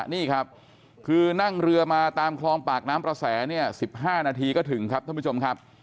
นี่ครับคือนั่งเรือมาตามคลองปากน้ำประแสเนี่ย๑๕นาทีก็ถึงครับท่านผู้ชมครับ